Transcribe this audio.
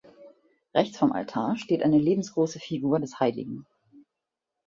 Rechts vom Altar steht eine lebensgroße Figur des Hl.